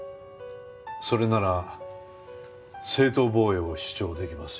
それなら正当防衛を主張出来ますよ。